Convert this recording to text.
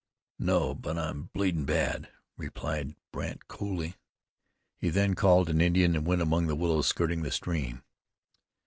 "No; but I'm bleeding bad," replied Brandt coolly. He then called an Indian and went among the willows skirting the stream.